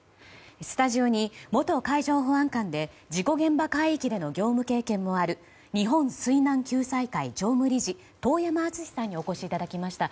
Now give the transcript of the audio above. スタジオに元海上保安官で事故現場海域での業務経験もある日本水難救済会常務理事遠山純司さんにお越しいただきました。